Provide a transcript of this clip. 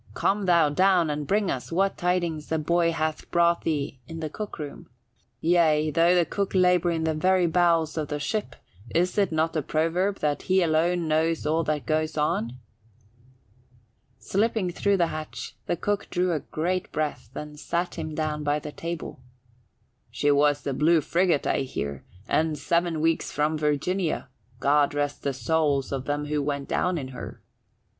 "Come thou down and bring us what tidings the boy hath brought thee in the cookroom. Yea, though the cook labour in the very bowels of the ship, is it not a proverb that he alone knows all that goes on?" Slipping through the hatch, the cook drew a great breath and sat him down by the table. "She was the Blue Friggat, I hear, and seven weeks from Virginia God rest the souls of them who went down in her!"